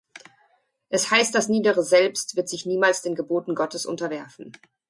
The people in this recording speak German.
Es heißt, das niedere Selbst wird sich niemals den Geboten Gottes unterwerfen.